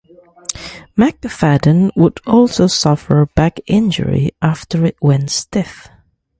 McFadden would also suffer back injury after it went stiff.